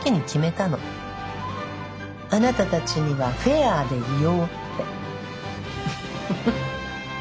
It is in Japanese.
あなたたちにはフェアでいようって。